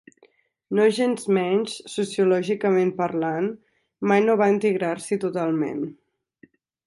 Nogensmenys, sociològicament parlant, mai no va integrar-s'hi totalment.